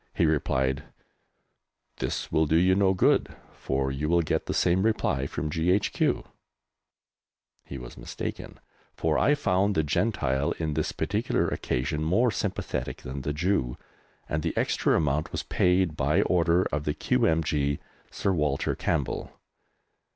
He replied, "This will do you no good, for you will get the same reply from G.H.Q." He was mistaken, for I found the Gentile, on this particular occasion, more sympathetic than the Jew, and the extra amount was paid by order of the Q.M.G., Sir Walter Campbell.